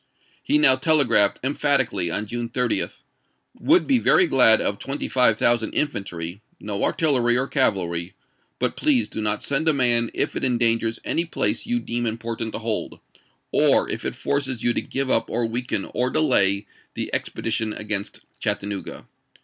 He now telegraphed emphatically on June 30: " Would be very glad of 25,000 infantry — no artillery or cavalry ; but please do not send a man if it endan gers any place you deem important to hold, or if it forces you to give up or weaken or delay the expe Lincoln to dition against Chattanooga.